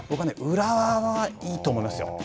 浦和は、いいと思いますよ。